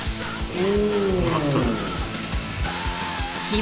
お！